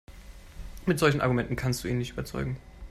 Mit solchen Argumenten kannst du ihn nicht überzeugen.